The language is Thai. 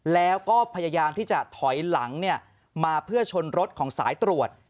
แล้วก็พยายามที่จะถอยหลังมาเพื่อชนรถของสายตรวจ